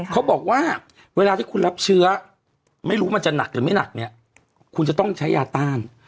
เขาบอกว่าเวลาที่คุณรับเชื้อไม่รู้มันจะหนักหรือไม่หนักเนี่ยคุณจะต้องใช้ยาต้าน